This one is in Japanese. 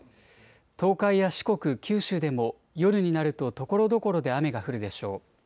東海や四国、九州でも夜になるとところどころで雨が降るでしょう。